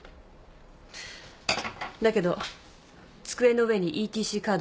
だけど机の上にＥＴＣカードは見つけた。